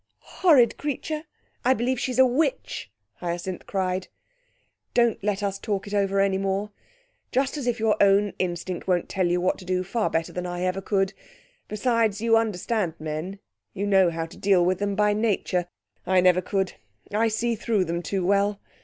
'Horrid creature! I believe she's a witch,' Hyacinth cried. 'Don't let us talk it over any more. Just as if your own instinct won't tell you what to do far better than I ever could! Besides, you understand men; you know how to deal with them by nature I never could. I see through them too well.